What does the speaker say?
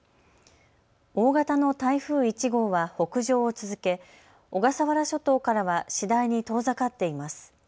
大型の台風１号は北上を続け小笠原諸島からは次第に遠ざかっています。